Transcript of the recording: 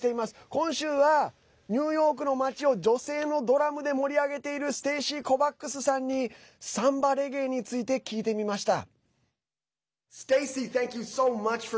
今週は、ニューヨークの街を女性のドラムで盛り上げているステイシー・コバックスさんにサンバレゲエについて聞いてみました。